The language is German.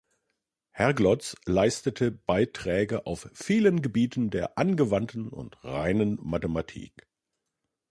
Herglotz leistete Beiträge auf vielen Gebieten der angewandten und reinen Mathematik.